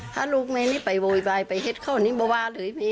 ถ้ลูกแม่นี่เห็นเขาไปบ่อยบ่ายไปเป็นบ่ายเลยรับแล้ว